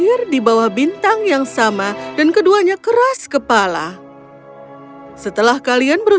ini jika kau tidak aku tidak banget melepaskanmu